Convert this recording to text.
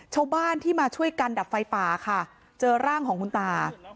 ชาวบ้านที่มาช่วยกันดับไฟป่าค่ะเจอร่างของคุณตา